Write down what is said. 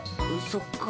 そっか。